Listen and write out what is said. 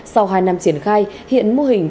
sau hai năm triển khai hiện mô hình